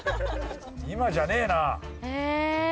今じゃねえな。